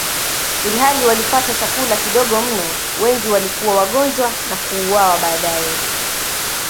Ilhali walipata chakula kidogo mno, wengi walikuwa wagonjwa na kuuawa baadaye.